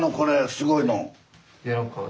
すごいの。